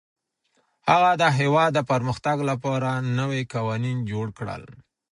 هغه د هېواد د پرمختګ لپاره نوي قوانین جوړ کړل.